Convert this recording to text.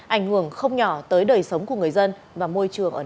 ảnh hưởng không nhỏ tới đời sống của người dân và môi trường ở nơi